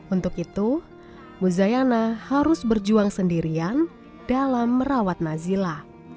untuk itu muzayana harus berjuang sendirian dalam merawat nazila